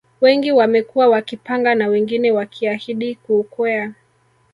Wengi wamekuwa wakipanga na wengine wakiahidi kuukwea